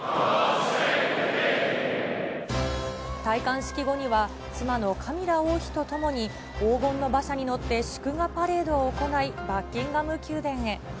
戴冠式後には、妻のカミラ王妃と共に黄金の馬車に乗って祝賀パレードを行い、バッキンガム宮殿へ。